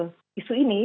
yang melihat isu ini